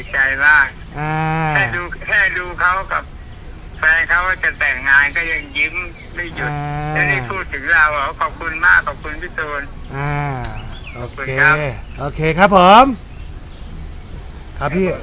แค่ดูเขากับแฟนเขากันแต่งงานก็ยิ้มไม่หยุด